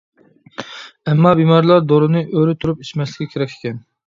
ئەمما بىمارلار دورىنى ئۆرە تۇرۇپ ئىچمەسلىكى كېرەك ئىكەن.